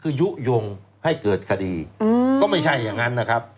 คือยุโยงให้เกิดคดีก็ไม่ใช่อย่างนั้นนะครับ